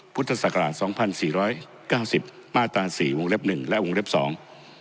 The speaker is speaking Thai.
พุทธศักราชสองพันสี่ร้อยเก้าสิบมาตราสี่วงเล็บหนึ่งและวงเล็บสอง